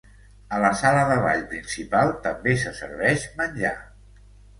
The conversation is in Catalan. A la sala de ball principal també se serveix menjar.